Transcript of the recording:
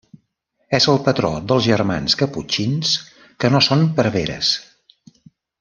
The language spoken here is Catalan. És el patró dels germans caputxins que no són preveres.